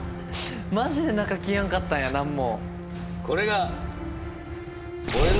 マジで中着やんかったんや何も。